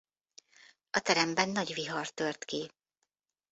A teremben nagy vihar tört ki.